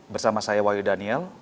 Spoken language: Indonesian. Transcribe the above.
bersama saya wakil daniel